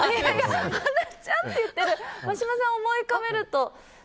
ハナちゃんって言ってる眞島さんを思い浮かべると。